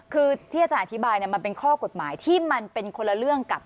คือที่อาจารย์อธิบายมันเป็นข้อกฎหมายที่มันเป็นคนละเรื่องกับ